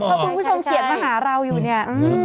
เพราะคุณผู้ชมเกลียดมาหาราวอยู่นี่